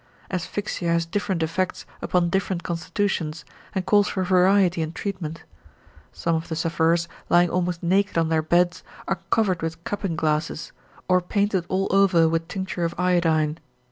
Asphyxia has different effects upon different constitutions, and calls for variety in treatment. Some of the sufferers, lying almost naked on their beds, are covered with cupping glasses, or painted all over with tincture of iodine.